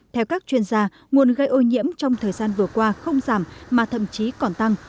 theo các chuyên gia nguồn gây ô nhiễm trong thời gian vừa qua không giảm mà thậm chí còn tăng